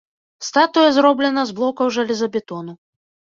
Статуя зроблена з блокаў жалезабетону.